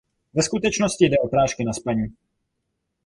Ve skutečnosti jde o prášky na spaní.